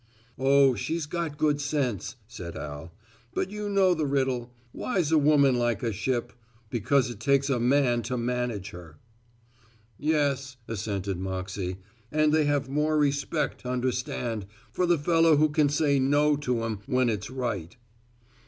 "Oh, she's got good sense," said Al, "but you know the riddle, 'Why's a woman like a ship? Because it takes a man to manage her.'" "Yes," assented Moxey, "and they have more respect, understand, for the fellow who can say no to 'em when it's right."